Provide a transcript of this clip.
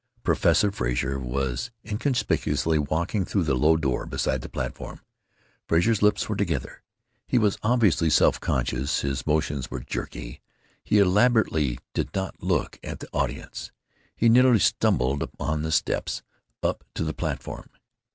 Professor Frazer was inconspicuously walking through the low door beside the platform. Frazer's lips were together. He was obviously self conscious. His motions were jerky. He elaborately did not look at the audience. He nearly stumbled on the steps up to the platform.